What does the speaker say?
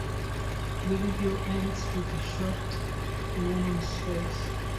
The video ends with a shot of the woman's face.